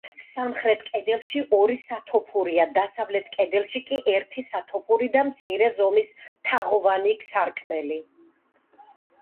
სამხრეთ კედელში ორი სათოფურია, დასავლეთ კედელში კი, ერთი სათოფური და მცირე ზომის თაღოვანი სარკმელი.